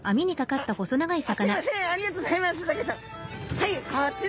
はいこちら！